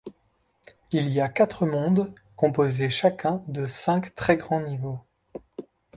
Il y a quatre mondes, composés chacun de cinq très grands niveaux.